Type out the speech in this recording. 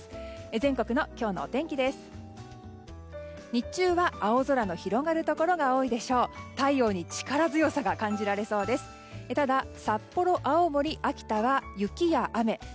全国の今日のお天気です。